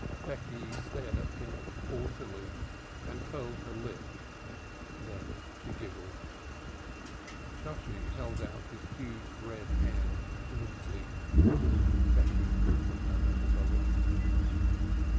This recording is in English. Becky stared at him haughtily and curled her lip. Then she giggled. Shosshi held out his huge red hand limply. Becky took no notice of it.